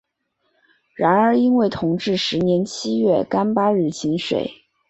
然而因为同治十年七月廿八日请水。